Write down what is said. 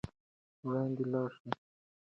وړاندې لاړ شئ او تاریخ جوړ کړئ.